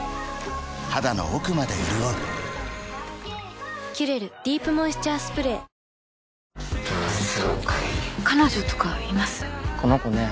肌の奥まで潤う「キュレルディープモイスチャースプレー」お邪魔しまーす。